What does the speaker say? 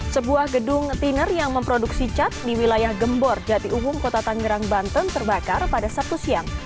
sebuah gedung tiner yang memproduksi cat di wilayah gembor jati uhung kota tangerang banten terbakar pada sabtu siang